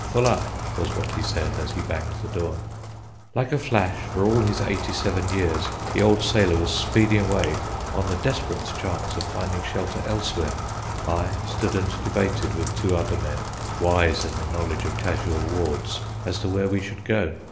"Full up," was what he said, as he banged the door. Like a flash, for all his eighty seven years, the old sailor was speeding away on the desperate chance of finding shelter elsewhere. I stood and debated with two other men, wise in the knowledge of casual wards, as to where we should go.